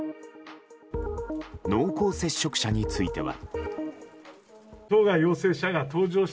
濃厚接触者については。